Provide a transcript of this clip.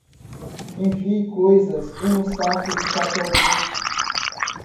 Envie coisas em um saco de papel grosso.